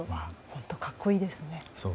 本当に格好いいですね。